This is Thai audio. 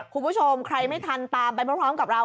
คุณผู้ชมใครไม่ทันตามไปพร้อมกับเรา